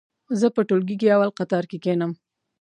زه په ټولګي کې اول قطور کې کېنم.